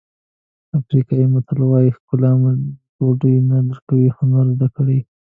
افریقایي متل وایي ښکلا مو ډوډۍ نه درکوي هنر زده کړئ.